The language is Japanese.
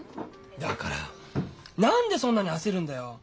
だから何でそんなに焦るんだよ。